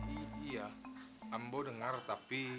iya ambo dengar tapi